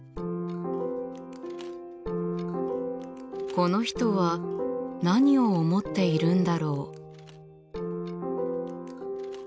この人は何を思っているんだろう？